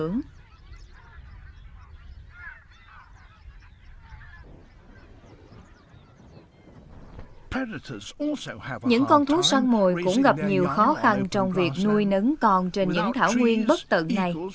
những con thú săn mồi cũng gặp nhiều khó khăn trong việc nuôi nấn con trên những thảo nguyên bất tận này